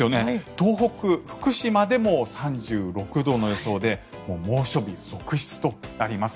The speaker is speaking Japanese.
東北、福島でも３６度予想で猛暑日続出となります。